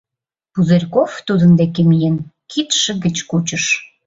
Пузырьков тудын деке миен, кидше гыч кучыш.